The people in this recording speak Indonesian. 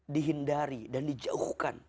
dihindari dan dijauhkan